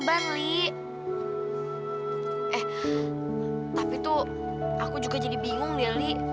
eh tapi tuh aku juga jadi bingung lili